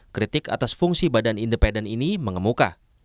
kritik atas fungsi badan independen ini mengemuka